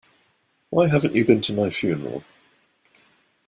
Why haven't you been to my funeral?